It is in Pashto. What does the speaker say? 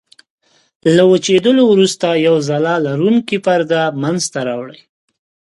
له وچېدلو وروسته یوه ځلا لرونکې پرده منځته راوړي.